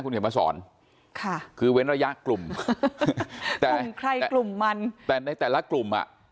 คุณเขียนมาสอนค่ะคือเว้นระยะกลุ่มแต่ในแต่ละกลุ่มอ่ะ